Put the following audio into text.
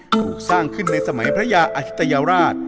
ถูกสร้างขึ้นในสมัยพระยาอธิตยาราช